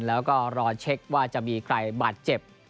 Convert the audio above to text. แล้วก็รอเช็คว่าจะมีใครบาดเจ็บ